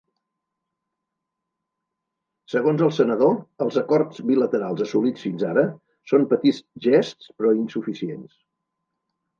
Segons el senador, els acords bilaterals assolits fins ara són ‘petits gests’ però insuficients.